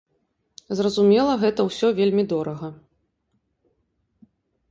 Зразумела, гэта ўсё вельмі дорага.